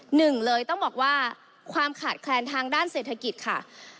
หนึ่งเลยต้องบอกว่าความขาดแคลนทางด้านเศรษฐกิจค่ะ